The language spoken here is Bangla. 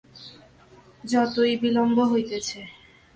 যতই বিলম্ব হইতেছে।